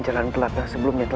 carilah rezeki yang halal